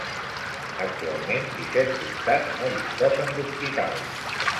Actualment disset comtats no disposen d'hospital.